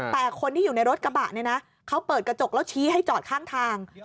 แต่คนที่อยู่ในรถกระบะเนี่ยนะเขาเปิดกระจกแล้วชี้ให้จอดข้างทาง